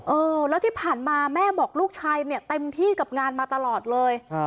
เออแล้วที่ผ่านมาแม่บอกลูกชายเนี่ยเต็มที่กับงานมาตลอดเลย